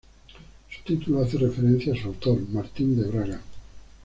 Su título hace referencia a su autor, Martín de Braga.